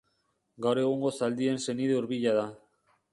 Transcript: Gaur egungo zaldien senide hurbila da.